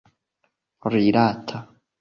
rilata